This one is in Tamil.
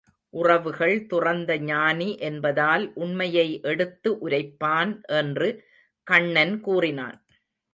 உறவுகள் துறந்த ஞானி என்பதால் உண்மையை எடுத்து உரைப்பான் என்று கண்ணன் கூறினான்.